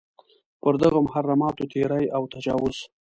پر دغو محرماتو تېری او تجاوز.